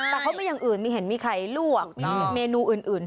แต่เขาเป็นอย่างอื่นไม่เห็นมีใครลวกเมนูอื่น